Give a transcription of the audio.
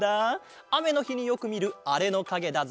あめのひによくみるあれのかげだぞ。